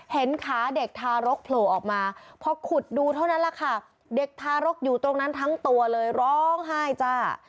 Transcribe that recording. เห็นขาเด็กทารกโผล่ออกมาพอขุดดูเท่านั้นแหละค่ะเด็กทารกอยู่ตรงนั้นทั้งตัวเลยร้องไห้จ้า